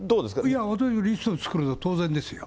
いや、私もリスト作るの当然ですよ。